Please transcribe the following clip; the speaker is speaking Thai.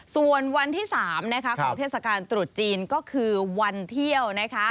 ส่วนวันที่๓นะคะของเทศกาลตรุษจีนก็คือวันเที่ยวนะคะ